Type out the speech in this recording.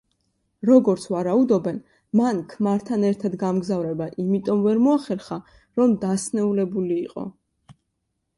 როგორც ვარაუდობენ, მან ქმართან ერთად გამგზავრება იმიტომ ვერ მოახერხა რომ დასნეულებული იყო.